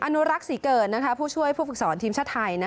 อนุรักษ์ศรีเกิดผู้ช่วยผู้ฝึกสอนทีมชาติไทย